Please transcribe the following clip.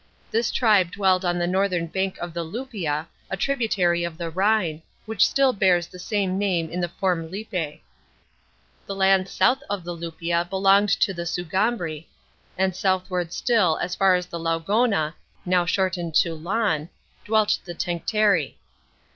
This tribe dwelled on the northern bank of the Luppia, a tributary of the Rhine, which still bears the same name in the form Lippe. The lands south of the Luppia belonged to the Sugambri, and southward still as far as the Laugonna (now shortened into Lahn) dwelt the Tencteri.